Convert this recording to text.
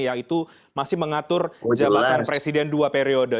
yaitu masih mengatur jabatan presiden dua periode